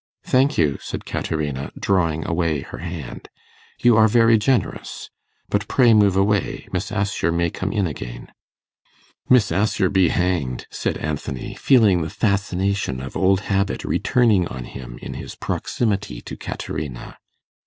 'Thank you,' said Caterina, drawing away her hand. 'You are very generous. But pray move away. Miss Assher may come in again.' 'Miss Assher be hanged!' said Anthony, feeling the fascination of old habit returning on him in his proximity to Caterina.